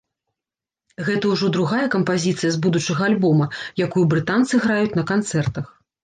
Гэта ўжо другая кампазіцыя з будучага альбома, якую брытанцы граюць на канцэртах.